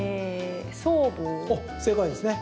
正解ですね。